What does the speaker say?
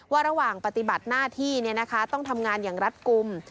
ว่าระหว่างปฏิบัติหน้าที่เนี่ยนะคะต้องทำงานอย่างรัตกุม